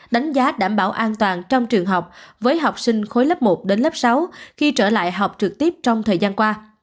đánh giá đảm bảo an toàn trong trường học với học sinh khối lớp một đến lớp sáu khi trở lại học trực tiếp trong thời gian qua